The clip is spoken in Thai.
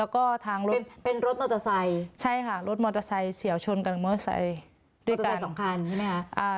อุตส่ายสองคันใช่ไหมคะ